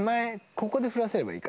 ここで降らせればいいから。